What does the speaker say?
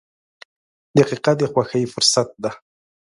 • دقیقه د خوښۍ فرصت ده.